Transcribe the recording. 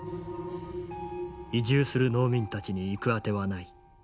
「移住する農民たちに行く当てはない。